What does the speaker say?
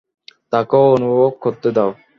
তাকেও অনুভব করতে দাও।